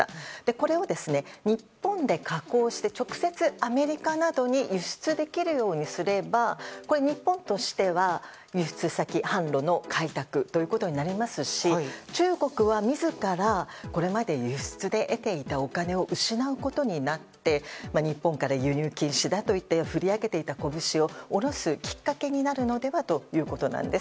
これを日本で加工して直接、アメリカなどに輸出できるようにすれば日本としては、輸出先・販路の開拓となりますし中国は自らこれまで輸出で得ていたお金を失うことになって日本から輸入禁止だと言って振り上げていた拳を下ろすきっかけになるのではということです。